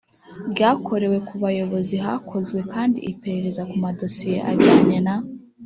ryakorewe ku Bayobozi Hakozwe kandi iperereza ku madosiye ajyanye n